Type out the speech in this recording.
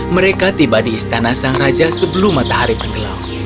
mereka tiba di istana sang raja sebelum matahari tenggelam